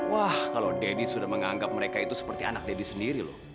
wah kalau deddy sudah menganggap mereka itu seperti anak deddy sendiri loh